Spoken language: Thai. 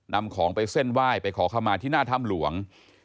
นำของไปเส้นไหว้ไปขอเข้ามาที่หน้าถ้ำหลวง